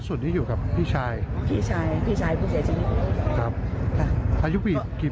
ช่วยเหลือตัวเองไม่ได้